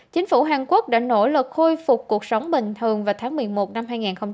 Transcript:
chính phủ hàn quốc đã nỗ lực khôi phục cuộc sống bình thường vào tháng một mươi một năm hai nghìn hai mươi